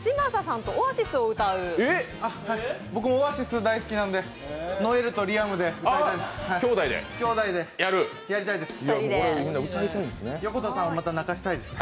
僕、Ｏａｓｉｓ大好きなので、ノエルとリアムで歌いたいです。